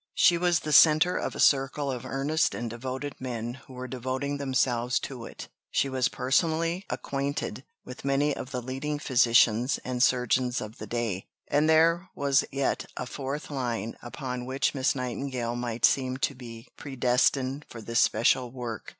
She was the centre of a circle of earnest and devoted men who were devoting themselves to it. She was personally acquainted with many of the leading physicians and surgeons of the day. And there was yet a fourth line upon which Miss Nightingale might seem to be predestined for this special work.